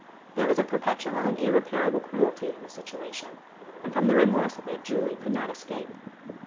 There was a perpetual and irreparable cruelty in the situation. And from the remorse of it Julie could not escape.